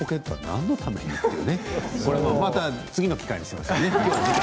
それは、また次の機会にしましょうね。